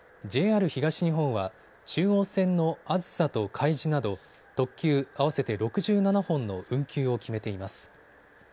ＪＲ東日本は中央線のあずさとかいじなど特急合わせて６７本の運休を決めています。